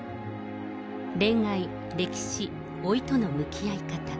恋愛、歴史、老いとの向き合い方。